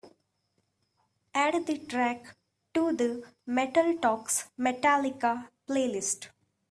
Add the track to the Metal Talks Metallica playlist.